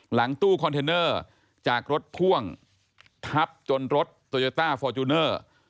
หลังตู้คอนเทนเนอร์จากรถพ่วงทับจนรถโตโยต้าฟอร์จูเนอร์